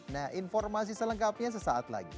nah informasi selengkapnya sesaat lagi